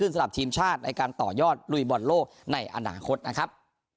สำหรับทีมชาติในการต่อยอดลุยบอลโลกในอนาคตนะครับ